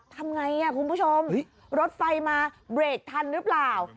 ทำไงคุณผู้ชมรถไฟมาเบรกทันหรือเปล่า